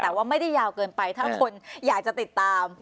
แต่ว่าไม่ได้ยาวเกินไปถ้าคนอยากจะติดตาม